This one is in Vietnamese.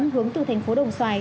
một mươi bốn hướng từ tp đồng xoài